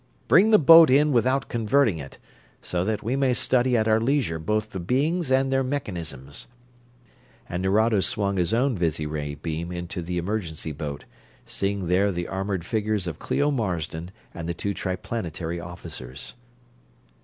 Bring the boat in without converting it, so that we may study at our leisure both the beings and their mechanisms," and Nerado swung his own visiray beam into the emergency boat, seeing there the armored figures of Clio Marsden and the two Triplanetary officers.